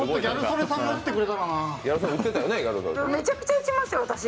めちゃくちゃ撃ちましたよ、私。